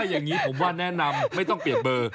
อย่างนี้ผมว่าแนะนำไม่ต้องเปลี่ยนเบอร์